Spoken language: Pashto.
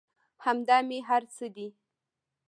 همدا مې هر څه دى.